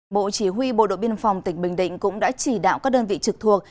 bộ chỉ huy bộ đội biên phòng tỉnh bình định cũng đã chỉ đạo các đơn vị trực thuộc